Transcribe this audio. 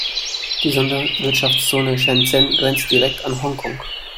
Die Sonderwirtschaftszone Shenzhen grenzt direkt an Hongkong.